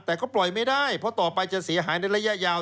แต่ก็ปล่อยไม่ได้เพราะต่อไปจะเสียหายในระยะยาว